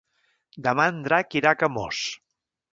Demà en Drac irà a Camós.